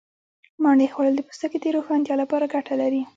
مڼې خوړل د پوستکي د روښانتیا لپاره گټه لري.